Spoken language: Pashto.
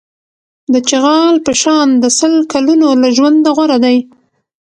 د چغال په شان د سل کلونو له ژونده غوره دی.